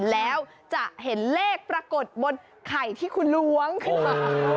แล้วจะเห็นเลขปรากฏบนไข่ที่คุณล้วงขึ้นมา